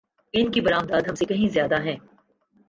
ان کی برآمدات ہم سے کہیں زیادہ ہیں۔